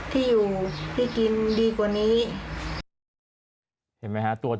ที่อยู่ที่กินดีกว่านี้